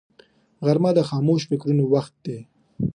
غرمه د خاموش فکرونو وخت دی